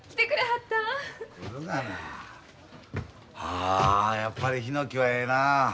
あやっぱりヒノキはええなあ。